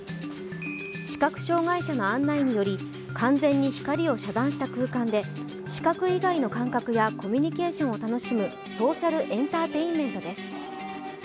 視覚障害者の案内により完全に光を遮断した空間で、視覚以外の感覚やコミュニケーションを楽しむソーシャルエンターテインメントです。